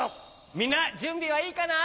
みんなじゅんびはいいかな？